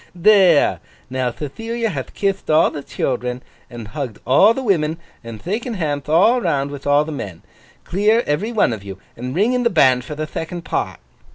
'There! Now Thethilia hath kithd all the children, and hugged all the women, and thaken handth all round with all the men, clear, every one of you, and ring in the band for the thecond part!